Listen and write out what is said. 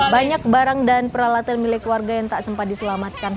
banyak barang dan peralatan milik warga yang tak sempat diselamatkan